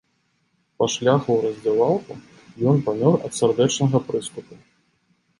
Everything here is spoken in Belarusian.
Па шляху ў раздзявалку ён памёр ад сардэчнага прыступу.